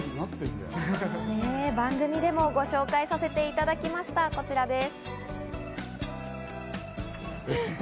番組でもご紹介させていただきました、こちらです。